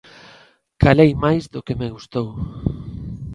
Calei máis do que me gustou.